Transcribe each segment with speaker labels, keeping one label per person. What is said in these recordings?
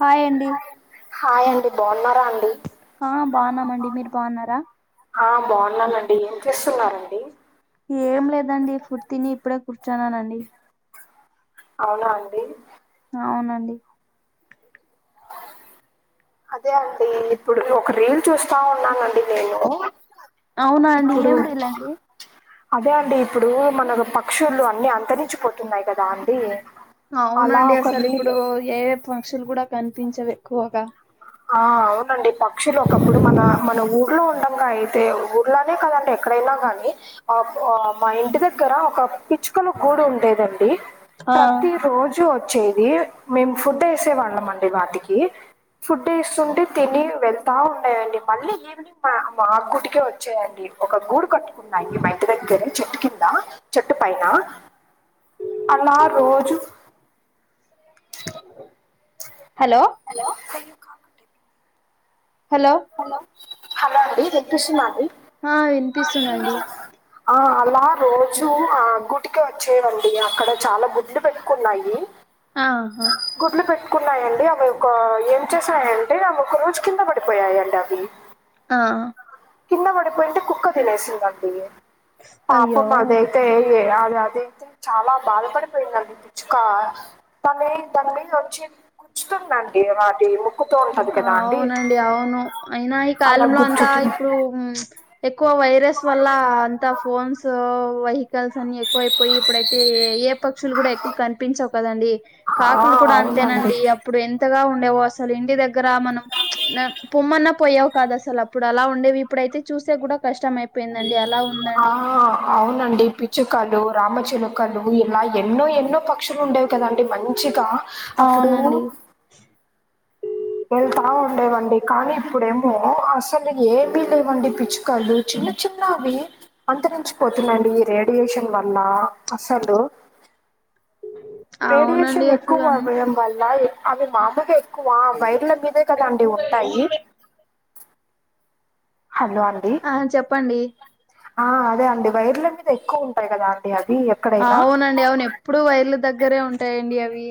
Speaker 1: Hi అండి
Speaker 2: hi అండి బావుఉన్నారా అండి
Speaker 1: ఆ బాగున్నామండి మీరు బాగున్నారా
Speaker 2: ఆ బాగున్నానండి ఏం చేస్తున్నార అండి
Speaker 1: ఏం లేద అండి ఫుడ్ తిని ఇప్పుడే కూర్చన్నాన అండి
Speaker 2: అవునా అండి
Speaker 1: అవున అండి
Speaker 2: అదే అండి ఇప్పుడు ఒక రీల్ చూస్తా ఉన్నాన అండి నేను
Speaker 1: అవునా అండి
Speaker 2: ఇప్పుడు
Speaker 1: ఏం రీల అండి
Speaker 2: అదే అండి ఇప్పుడు మన పక్షులు అన్ని అంతరించిపోతు ఉన్నాయి కదా అండి అలా
Speaker 1: అవునండి
Speaker 2: ఒకరి
Speaker 1: అసలు ఇప్పుడు
Speaker 2: నీళ్ళు
Speaker 1: ఏ పంక్షులు కూడా కనిపించవు ఎక్కువగా
Speaker 2: ఆ అవునండి పక్షులు ఒకప్పుడు మన మన ఊర్లో ఉండంగా అయితే ఊ ర్లనే కాదండి ఎక్కడైనగాని అప్ ఆ మా ఇంటి దగ్గర ఒక పిచ్ కల గుడు ఉండేదండి
Speaker 1: ఆ
Speaker 2: ప్రతి రోజు ఒ చ్చేది మేము ఫుడ్ వేసే వాళ్ళం అండి వాటికి ఫుడ్ ఇస్తుంటే తిని వెళ్తా ఉన్నాయండి మళ్ళీ ఇవ్ మా మా గుడికే వచ్చాయండి ఒక గూడు కట్టుకున్నాయి మ ఇంటి దగ్గర చెట్టు కింద చెట్టు పైన అలా రోజు
Speaker 1: hello
Speaker 2: hello
Speaker 1: hello
Speaker 2: hello hello అండి వినిపిస్తుందా అండి
Speaker 1: ఆ వినిపిస్తుందండి
Speaker 2: ఆ అలా రోజు ఆ గుటికే వచ్చేవండి అక్కడ చాలా గుడ్లు పెట్టుకున్నాయి
Speaker 1: ఆహా
Speaker 2: గుడ్లు పెట్టుకున్నాయండి ఆవి ఒక ఏం చేసాయంటే ఆవి ఒక రోజు కింద పడిపోయండి అవి
Speaker 1: ఆ
Speaker 2: కింద పడిపోయిఉంటే కుక్క తినేసిందండి పాపమ్
Speaker 1: అయ్యో
Speaker 2: అదైత్ తే అది అదయితే చాలా బాధపడిపోయిందండి పిచ్చుక తనే తనమీద వచ్చి గుచుతుందండి వాటి ముక్
Speaker 1: అవునండి అవును అయినా ఈ
Speaker 2: అలా
Speaker 1: కాలంలో అంతా
Speaker 2: గుచ్చుతుంది
Speaker 1: ఇప్పుడు ఎక్కువ వైరస్ వల్ల అంతా ఫోన్స్ వెహికల్స్ అన్ని ఎ క్వైపోయి ఇప్పుడైతే ఏ ఏ పక్షులు కూడా ఎక్కువ కనిపించవు కదండి
Speaker 2: ఆ,
Speaker 1: కాకులు కూడా అంతేనండి
Speaker 2: అవునండి
Speaker 1: అప్పుడు ఎంతగా ఉండేవో అసలు ఇంటి దగ్గర మనం పొమ్మన్న పోయేవి కాదసలు అప్పుడు అలా ఉండేవి ఇప్పుడైతే చూసే కూడా కష్టం అయిపోయిందండి అలా ఉన్
Speaker 2: ఆ అవునండి పిచ్చుకలు రామచిలుకలు ఇలా ఎన్నో ఎన్నో పక్షులు ఉండేవ్ కదండి మంచిగా అప్పుడు
Speaker 1: అవునండి
Speaker 2: వెళ్తా ఉండేవండి కానీ ఇప్పుడేమో అసలు ఏమీ లేవండి పిచ్చుకలు చిన్న చిన్నవి అంతరించిపోతున్నాయండి ఈ రేడియేషన్ వల్ల అసలు
Speaker 1: అవునండి
Speaker 2: రేడియేషన్ ఎక్కువ
Speaker 1: అసలు అ
Speaker 2: అవ్వడం వల్ల ఎక్ అవి మామూలుగా ఎక్కువ వైర్ల మీదే కదా అండి ఉంటాయి హలో అం
Speaker 1: ఆ చెప్పండి
Speaker 2: ఆ అదే అండి వైర్ల మీద ఎక్కువ ఉంటాయి కదా అండి అది
Speaker 1: అవునండి అవును ఎప్పుడు వైర్ల దగ్గరే ఉంటాయండి అవి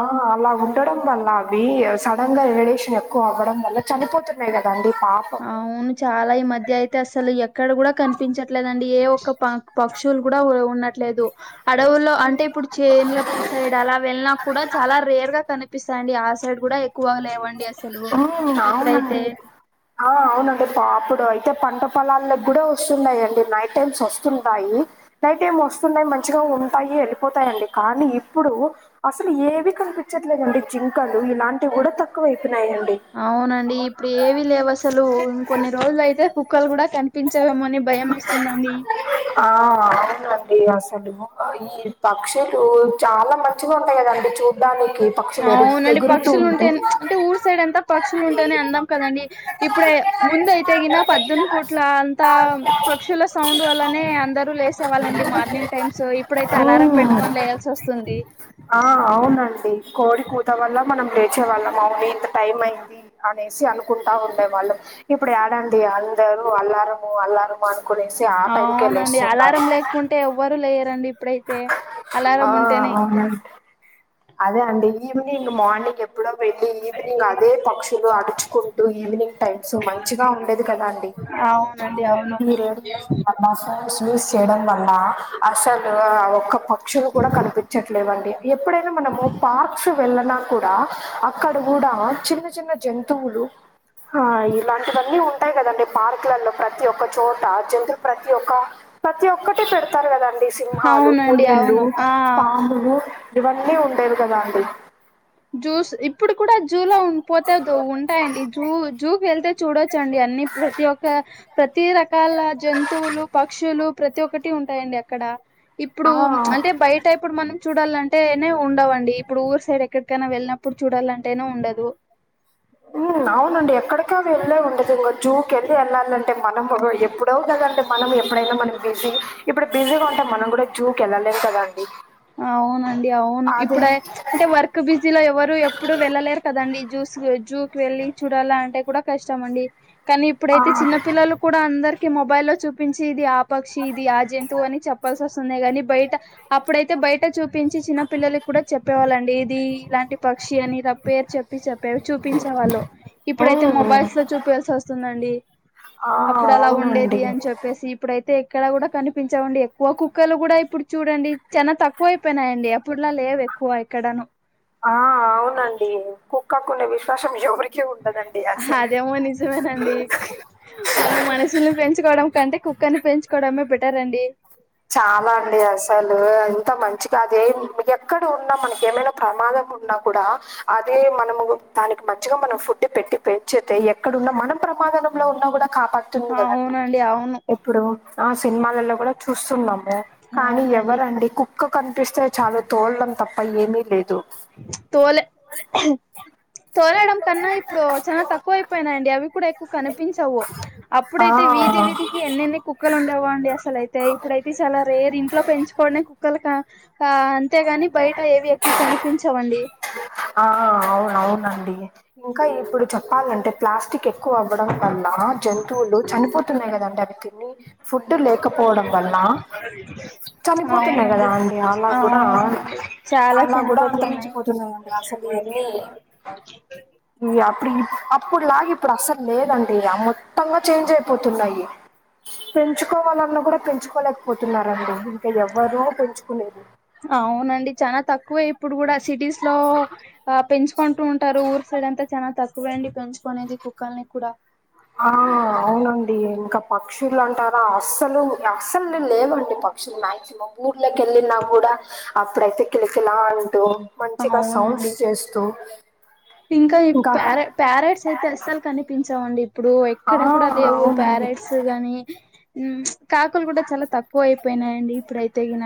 Speaker 2: ఆ అలా ఉండడం వల్ల అవి సడన్ గా రేడియేషన్ ఎక్కువ అవ్వడం వల్ల చనిపోతున్నాయి కదండి పాప్
Speaker 1: అవును చాలా ఈ మధ్య అయితే అసలు ఎక్కడ కూడా కనిపించట్లేదండి ఏ ఒక్క పాక్ పక్షులు కూడా ఉండట్లేదు అడవులో అంటే ఇప్పుడు చేన్ల సైడ్ అలా వెళ్ళిన కూడా చాలా రేర్ గా కన్ పిస్తయండి ఆ సైడ్ కూడా ఎక్కువగ లేవండి అసలు
Speaker 2: ఆ అవునండి
Speaker 1: ఇప్పుడైతే
Speaker 2: ఆ అవునండి అప్పుడు అయితే పంట పొలాల్లోక్ కూడా వస్తున్నాయండి నైట్ టైమ్స్ వస్తుంటాయి నైట్ ఏం వస్తున్నాయి మంచిగా ఉంటాయి వెళ్ళిపోతాయిండి కానీ ఇప్పుడు అసలు ఏవి కనిపించట్లేదండి జింకలు ఇలాంటివికూడా తక్కువ అయిపోయినయండి
Speaker 1: అవునండి ఇప్పుడు ఏవీ లేవు అసలు ఇంకొన్ని రోజులు అయితే కుక్కలు కూడా కనిపించేవేమోని భయమేస్తుందండి
Speaker 2: ఆ అవునండి అసలు ఈ ఈ పక్షులు చాలా మంచిగా ఉంటాయికదండి చూడ్డానికి పక్షులు ఎరు
Speaker 1: అవునండి
Speaker 2: ఎగురుతూ
Speaker 1: పక్షులు ఉంటే అంటే ఊరు సైడ్ అంతా పక్షులు ఉంటేనే అందాం కదండి ఇప్పుడ ముంద అయితే గిన పద్దెని పూట్ల అంతా పక్షుల సౌండ్ వల్లనే అందరు లేసే వాళ్ళండి మార్నింగ్ టైమ్స్ ఇప్పుడైతే అలారం
Speaker 2: మ్మ్
Speaker 1: పెట్టుకొని లేయాల్సి వస్తుంది ది
Speaker 2: ఆ అవునండి కోడి కూత వల్ల మనం లేచేవాళ్ళం అవును ఇంత టైం అయింది అనేసి అనుకుంటా ఉండే వాళ్ళం ఇప్పుడు ఏడండి అందరూ అల్లారము అల్లరము అనుకునేసి ఆ టైంకి లేస్తున్నారు
Speaker 1: అంటే ఎవ్వరు లేరండి ఇప్పుడైతే
Speaker 2: ఆ
Speaker 1: అలారం ఉంటేనే
Speaker 2: అవును అదే అండి ఈవినింగ్, మార్నింగ్ ఎప్ ఇప్పుడో వెళ్లి, ఈవినింగ్ అదే పక్షులు అడుచుకుంటూ ఈవినింగ్ టైమ్స్ మంచిగా ఉండేది కదా అండి.
Speaker 1: అవునండి అవును
Speaker 2: ఈ రేడియేషన్ ఫోన్స్ యూస్ చేయడం వల్ల అసలు ఒక్క ప పక్షలు కూడా కనిపించట్లేవ్ అండి ఎప్పుడై మనము పార్క్స్ వెళ్ళనా కూడా అక్కడ కూడా చిన్న చిన్న జంతువులు ఆ ఇలాంటి వన్నీ ఉ టాయి కదండి పార్క్లలో ప్రతి ఒక్క చోట జంతులు ప్రతి ఒక్క ప్రతి ఒక్క ఒక్కటీ పెడతారు కదండి సింహాలు,
Speaker 1: అవునండి
Speaker 2: పులీళ్లు,
Speaker 1: అవును ఆ
Speaker 2: పాములు అన్నీ ఉండేవి కదాండి
Speaker 1: జూస్ ఇప్పుడు కూడా జూలో, ఉం పోతే దొ ఉంటాయండి. జూ జుకెల్తే, చూడొచ్చ అండి అన్ని ప్రతి ఒక్క ప్రతి ప్రతి రకాల జంతువులు, పక్షులు ప్రతి ఒక్కటి ఉంటాయండి అక్కడ ఇప్పుడు
Speaker 2: ఆ
Speaker 1: ప్చ్ అంటే బయట ఎప్పుడు మనం చూడాలంటే నే ఉండవండి. ఇప్పుడు ఊరు సైడ్ ఎ, ఎక్కడికైనా వెళ్ళినప్పుడు చూడాలంటేనే ఉండదు
Speaker 2: ఊ అవునండి ఎక్కడిక వెళ్లేే ఉండదు ఇంక జూకిెళ్ళి వెళ్ళాలింటే మనం ఎప్పుడో కదండీ మనం ఎప్పుడైనా మనం బిజీ ఇప్పుడు బిజీగా ఉంటాం మనం గుడా జూ కెల్లలేము కదండీ
Speaker 1: అవునండి అవును ఇప్పుడే అంటే వర్క్ క్ బిజీలో, ఎవరు ఎప్పుడు వెళ్ళలేరు కదండి! జూస్, జూకి వెళ్ళి చూడాల అంటే కూడా కష్టం అండి. కానీ
Speaker 2: ఆ
Speaker 1: ఇప్పుడైతే చిన్న పిల్లలు కూడా అందరికి మొబైల్ లో చూపించే ఇది యాప్ పక్షి ఇది ఆ జంతువు అని చెప్పాల్సస్తోందే గాని బయట అప్ ఇప్పుడైతే బయట చూపించి చిన్న పిల్లలకి కూడా చెప్పేవాళ్లండి ఇది ఇలాంటి పక్షి అని గా పేరు చెప్పి చెప్పేవి చూపించేవాళ్ళు. ఇప్పుడైతే
Speaker 2: ఉమ్
Speaker 1: మొబైస్తో చూపియాల్సి వస్తుందండి.
Speaker 2: ఆ
Speaker 1: అప్పుడు అలా ఉండేది
Speaker 2: అవునండి
Speaker 1: అని చెప్పేసి ఇప్పుడైతే ఇక్కడ కూడా కనిపించవండి ఎక్కువ కుక్కలు కూడా ఇప్పుడు చూడండి చానా తక్కువైపోయినాయండి అప్పుడులా లేవు ఎక్కువ ఇక్కడను
Speaker 2: ఆ అవునండి కుక్కకుండే విశ్వాసం ఎవరి కే ఉండదండి అస్సలు
Speaker 1: అదేమో నిజమేనండి మనం మనుషుల్ని పెంచుకోవడం కంటే కుక్కన్నీ పెంచుకోవడమే బెటర్ అండి
Speaker 2: చాలా అండి అసలు ఎంత మంచిగా ఆ దేం ఎక్కడ ఉన్నా, మనకి ఏమైనా [unintelligible] ప్రమాదం ఉన్నా కూడా అదే మనము దానికి మంచిగా మనం ఫుడ్ పెట్టి పెంచేతే ఎక్కడున్న మనం ప్రమాదంలో ఉన్నా కూడా కాపాడుతుంది కదండి
Speaker 1: అవునండి అవును
Speaker 2: ఇప్పుడు ఆ సినిమాలలో కూడా చూస్తున్నాము కానీ
Speaker 1: అవునండి
Speaker 2: ఎవరండి కు కుక్క కనిపిస్తే చాలు తోలడం తప్ప ఏమీ లేదు
Speaker 1: తోలె తొలేయడం కన్నా ఇప్పుడు చాలా తక్కువ అయిపోయినాయి అండి అవి కూడా ఎక్కువ కనిపించవు
Speaker 2: ఆ
Speaker 1: అప్పుడైతే వీధి వీధి ఎన్నెన్ని కుక్కలు ఉండేవో అండి, అసలైతే ఇప్పుడైతే చాలా రేర్! ఇంట్లో పెంచుకోనే కుక్కలకా. ఆ అంతేగాని బయట ఏవి ఎక్కువ కనిపించవండి
Speaker 2: ఆ అవున అవునండి ఇంకా ఇప్పుడు చెప్పాలంటే ప్లాస్టిక్ ఎ ఎక్కువ అవ్వడం వల్ల జంతువులు చనిపోతున్నాయి కదండి అవి తినీ ఫుడ్ లేకపోవడం వల్ల చనిపోతున్నాయి కదా
Speaker 1: అవునండి
Speaker 2: అండి అలా కూడా
Speaker 1: అవునండి చాలా
Speaker 2: అలా కూడా
Speaker 1: చనిపోతున్నాయి
Speaker 2: అంతరించిపోతున్నాయండి అసలు ఇవన్నీ ఇ అప్పుడు అప్పుడులాగ ఇప్పుడు అసలు లేదంటడి ఆ మొత్తంగా చేంజ్ అయిపోతున్నాయి పెంచుకోవాలన్నా కూడా పెంచుకోలేకపోతున్నారండి ఇంకా ఎవ్వరు పెంచుకోలేరు
Speaker 1: అవునండి చానా తక్కువే ఇప్పుడు కూడా సిటీస్ లో ఆ పెంచుకుంటూ ఉంటారు ఊరు సైడ్ అంతా చానా తక్ తక్కువే అండి పెంచుకునేది కుక్కల్ని కూడా
Speaker 2: ఆ అవునండి ఇంకా పక్షులు అంటారా అస్సలు అస్సలు లేవండి ప మక్సిమం ఊర్లక వెళ్లిన కూడా అప్పుడ అయితే కిల కిల అంటూ మంచిగా సౌండ్స్
Speaker 1: అవునండి
Speaker 2: చేస్తూ ఇంకా
Speaker 1: ప్యారేట్స్ అయితే అస్సలు కనిపించవండి. ఇప్పుడు
Speaker 2: ఆ
Speaker 1: ఎక్కడ కూడా లేవు
Speaker 2: అవునండి
Speaker 1: ప్యారేట్స్ గాని, ఉం కాకులు కూడా చాలా తక్కువ అయిపోయినాయండి ఇప్పుడయితేగిన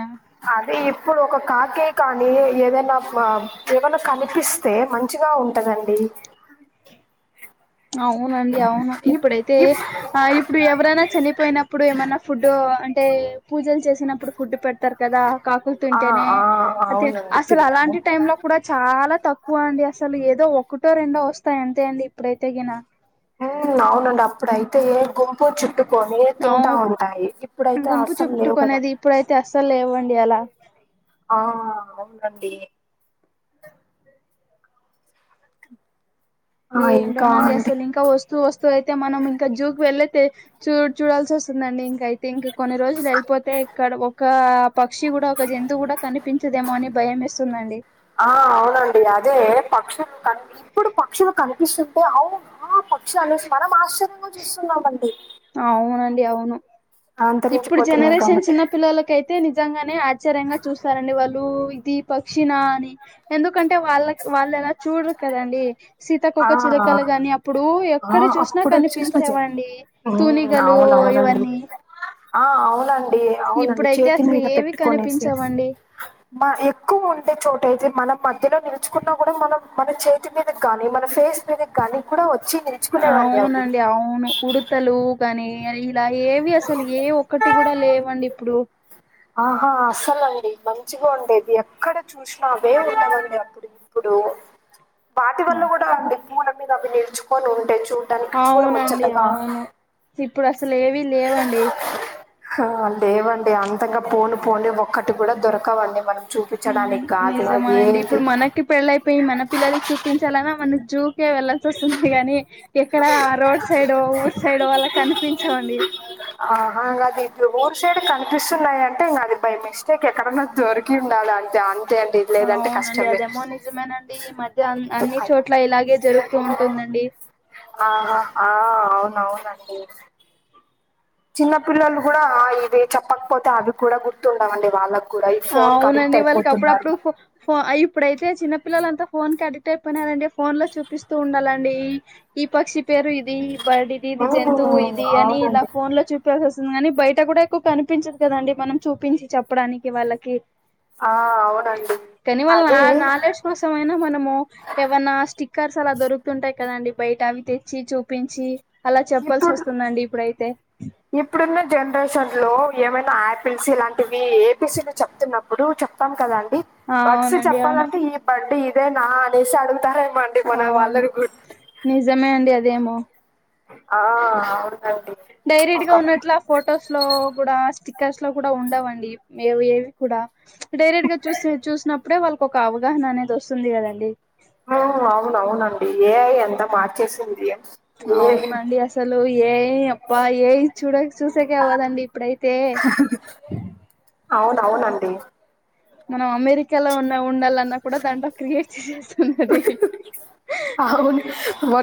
Speaker 2: అదే ఇప్పుడు ఒక కాకే కాని ఏదైనా ఏమైనా కనిపిస్త [unintelligible] తే మంచిగా ఉంటుదండి
Speaker 1: అవునండి అవును
Speaker 2: ఇప్
Speaker 1: ఇప్పుడైతే
Speaker 2: ఇప్
Speaker 1: ఆ ఇప్పుడు ఎవరైనా చనిపోయిన ఇప్పుడు ఏమన్నా ఫుడ్ అంటే పూజలు చేసినప్పుడు ఫుడ్ పెట్ట తారు కదా కాకులు
Speaker 2: ఆ,
Speaker 1: తింటేనే
Speaker 2: ఆ,
Speaker 1: అతె
Speaker 2: అవునండి
Speaker 1: అసల్
Speaker 2: పిండము
Speaker 1: అలాంటి టైమ్ లో కూడా చాలా తక్కువ అండి అసలు ఏదో ఒకటో రెండో వస్తాయి అంతే అండి ఇప్పుడైతే గిన
Speaker 2: ఉం అవునండి అప్పుడయితే గుంపు చుట్టుకొని
Speaker 1: ఆ
Speaker 2: తింటా ఉంటాయి ఇప్పుడు అయితే
Speaker 1: గుంపు
Speaker 2: అసలు లేవు కద
Speaker 1: చుట్టుకునేది ఇప్పుడైతే అస్సలు లేవండి అలా
Speaker 2: ఆ అవునండి ఆ ఇంకా
Speaker 1: ఏంటోనండి
Speaker 2: అండి
Speaker 1: అసలు ఇంకా వస్తూ వస్తూ అయితే మనం ఇంకా జూక్ వేల్లే తే చూ చూడాల్సి వస్తుందండి. ఇంక అయితే ఇంక కొన్ని రోజులు వెళ్ళిపోతే! ఇక్కడ ఒకా పక్షి కూడా ఒక జంతువు కూడా కనిపించదేమో అని భయం వేస్తుందండి
Speaker 2: ఆ అవునండి అదే పక్షులు కని ఇప్పుడు పక్షులు కనిపిస్తుంటే అవు నా పక్షు పక్షులను చూసినాన [unintelligible] ఆశ్చర్య
Speaker 1: అవునండి అవును ఇప్పుడు
Speaker 2: అంతరించిపోతున్నాయి
Speaker 1: జనరేషన్
Speaker 2: కాబట్టి
Speaker 1: చిన్న పిల్లలకి అయితే నిజంగానే ఆశ్చర్యంగా చూస్తారండి వాళ్ళు ఇది పక్షిన అని ఎందుకంటే? వాళ్ళక్ వాళ్ళు ఎలా చూడరు కదండి, సీతాకోక
Speaker 2: ఆ
Speaker 1: చిలుకల గాని. ఇప్పుడు
Speaker 2: ఆ
Speaker 1: ఎక్కడ చూసినా
Speaker 2: అప్పుడు వచ్చేసిన
Speaker 1: కనిపించే
Speaker 2: చె
Speaker 1: వండి
Speaker 2: ఉమ్
Speaker 1: తూనిగలు
Speaker 2: అవునవునండి
Speaker 1: ఇవన్నీ
Speaker 2: ఆ అవునండి అవునండి
Speaker 1: ఇప్పుడైతే
Speaker 2: చేతి
Speaker 1: అసలు
Speaker 2: మీద
Speaker 1: ఏవి
Speaker 2: పెట్టుకోనేసి
Speaker 1: కనిపించవండి
Speaker 2: మ ఎక్కువ ఉంటే చోట అయితే మనం మధ్యలో నిలుచుకున్నా కూడా మనం మన చేతి మీద గాని మన ఫేస్ మీ కనీ కూడా వచ్చిందె
Speaker 1: అవునండి అవును ఉడుతలు కనీ ఇలా ఏవి అసలు ఏ ఒక్కటి కూడా లేవండి ఇప్పుడు
Speaker 2: ఆహా అస్సలండి మంచిగా ఉండేది ఎక్కడ చూసినా అవే ఉండవండి అప్పుడు ఇప్పుడు వాటి వల్ల కూడా
Speaker 1: ఆ
Speaker 2: అండి పూల మీద అవి నిలుచుకొని ఉంటే చూ
Speaker 1: అవునండి అవును ఇప్పుడు అసలు ఏవీ లేవండి
Speaker 2: ఆ లేవండి అంతగా పోను పోని ఒక్కటి కూడా దొరకవండి మనక్ చూపించడానికి గాదు అవి ఏ
Speaker 1: కి పెళ్ళైపోయి మన పిల్లలకి చూపించాలన్నా మన జూకే వెళ్లాల్సి వస్తుంది కాని ఎక్కడ రోడ్ సైడ్ ఊరు సైడ్ అలా కనిపించవండి
Speaker 2: ఆహా అంగది ఊరు సైడ్ కనిపిస్తున్నాయి అంటే ఇంగా అది బై మిస్టేక్ ఎక్కడన్నా దొరి కుండాలి అంతె అంతేండి
Speaker 1: అవునండి అదేమో నిజమేనండి ఈ మధ్య అన్ని అన్ని చోట్ల ఇలాగే జరుగుతూ ఉంటుందండి
Speaker 2: ఆహ ఆ ఆ అవున అవునండి చిన్న పిల్లలు కూడా ఇవి చెప్పకపోతే అవి కూడా గుర్తుండవండి వాళ్ళ
Speaker 1: అవునండి వాళ్ళకి అప్పుడప్పుడు ఫో ఫో ఆ ఇప్పుడైతే చిన్న పిల్లలంతా ఫోన్ కి అడిక్ట్ అయిపోయినారండి ఫోన్ లో చూపిస్తూ ఉండాలండి ఈ ఈ పక్షి పేరు ఇది బర్డ్ ఇది ఇది జంతువు
Speaker 2: ఉమ్,
Speaker 1: ఇది అని ఇలా
Speaker 2: అవునండి
Speaker 1: ఫోన్ లో చూప్ సి వస్తుంది కానీ బయట కూడా ఎక్కువ కనిపించదు కదండి మనం చూపించి చెప్పడానికి వాళ్ళకి
Speaker 2: ఆ అవునండి
Speaker 1: కానీ వాళ్ళ
Speaker 2: అదే
Speaker 1: నా నాలెడ్జ్ కోసమైనా మనము ఏవన్నా స్టిక్కర్స్ అలా దొరుకుతుంటాయి కదండి బయట అవి తెచ్చి చూపించి అలా చెప్పాల్సి
Speaker 2: ఇప్పుడు
Speaker 1: వస్తుందండి ఇప్పుడైతే
Speaker 2: ఇప్పుడున్న జనరేషన్ లో ఏమైనా యాపిల్స్ ఇలాంటివి ఏపీసులు చెప్తున్నప్పుడు చె చెప్తాం కదండి
Speaker 1: ఆ
Speaker 2: బడ్స్
Speaker 1: అవునండి అవును
Speaker 2: చెప్పాలంటే ఈ బడ్డ్ ఇదే నా అనేసి అడుగుతారేమొ
Speaker 1: అవును నిజమే అండి అదేమో
Speaker 2: ఆ అవునండి
Speaker 1: డైరెక్ట్ గా
Speaker 2: ఒకప్పు
Speaker 1: ఉన్నట్ల ఫొటోస్ లో కూడా స్టిక్కర్స్ లో కూడా ఉండవండి ఏవి ఏవి కూడా డైరెక్ట్ గా చూస్త చూసినప్పుడే వాళ్ళకి ఒక అవగాహన అనేది వస్తుంది కదండి
Speaker 2: ఆ అవునవునండి ఏఐ అంత మార్చేసింది ఏ
Speaker 1: అవునండి, అసలు ఏ ఐ అబ్బా ఏ ఐ చూడక చూసేకే అవ్వదండి ఇప్పుడైతే
Speaker 2: అవునవునండి
Speaker 1: మన అమెరికా కాలా ఉన్నా ఉండాలన్నా కూడా దాంట్లో క్రియేట్ చేస్తుంది అది
Speaker 2: అవును.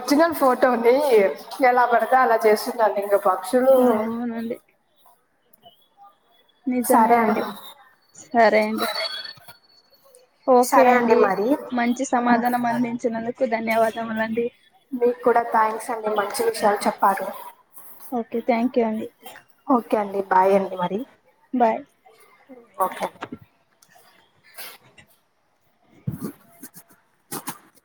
Speaker 2: ఒరిజినల్ ఫోటోని ఎలా పడితే అలా చేస్తున్నారు ఇంక పక్షులూ
Speaker 1: అవునండి
Speaker 2: సరే అండి.
Speaker 1: నిజమేనండి సరే అండి ఓకే
Speaker 2: సరే
Speaker 1: అండి
Speaker 2: మరి.
Speaker 1: మంచి
Speaker 2: హ్మ్.
Speaker 1: సమాధానం అందించినందుకు ధన్యవాదములండి
Speaker 2: మీకు కూడా థ్యాంక్స్ అండి మంచి విషయాలు చెప్పారు
Speaker 1: ఓకే థ్యాంక్ యూ అండి
Speaker 2: ఓకే అండి బాయ్ అండి మరి
Speaker 1: బాయ్
Speaker 2: ఓకే